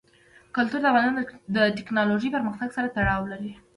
کلتور د افغانستان د تکنالوژۍ پرمختګ سره تړاو لري.